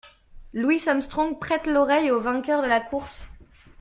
Louis Armstrong prête l'oreille au vainqueur de la course.